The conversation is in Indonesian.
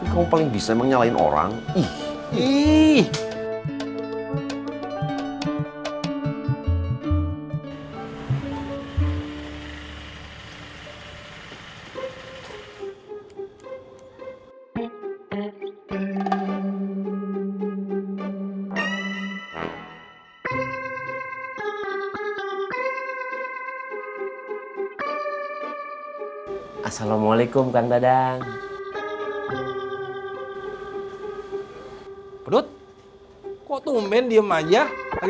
kamu paling bisa menyalahin orang